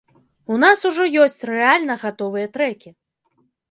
У нас ужо ёсць рэальна гатовыя трэкі!